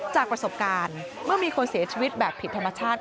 จากประสบการณ์เมื่อมีคนเสียชีวิตแบบผิดธรรมชาติ